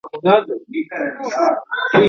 სიმაღლეზე და საკურთხევლის მცირე ნაწილი.